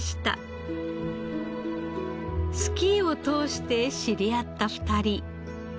スキーを通して知り合った２人。